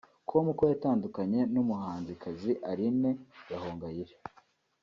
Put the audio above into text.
com ko yatandukanye n’umuhanzikazi Aline Gahongayire